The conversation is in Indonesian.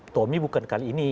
tomi bukan kali ini